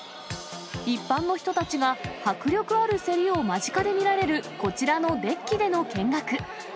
一般の人たちが迫力ある競りを間近で見られるこちらのデッキでの見学。